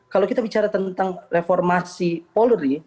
kalau kita bicara tentang reformasi polri